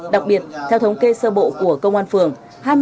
đặc biệt theo thống kê sơ bộ của công an phường